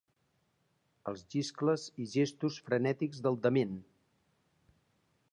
Els xiscles i gestos frenètics del dement.